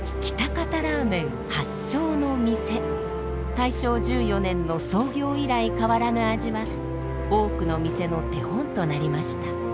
大正１４年の創業以来変わらぬ味は多くの店の手本となりました。